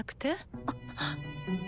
あっ。